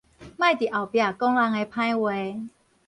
莫佇後壁講人的歹話